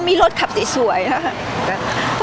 พี่ตอบได้แค่นี้จริงค่ะ